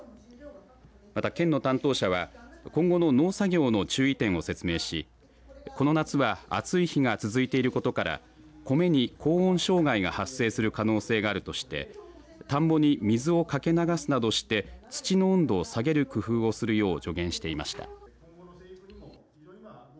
また、県の担当者は今後の農作業の注意点を説明しこの夏は暑い日が続いていることからコメに高温障害が発生する可能性があるとして田んぼに水を掛け流すなどして土の温度を下げる工夫をするよう助言していました。